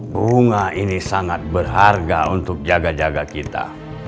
bunga ini sangat berharga untuk jaga jaga kita